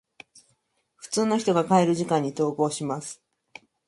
普通の人が帰る時間に登校します。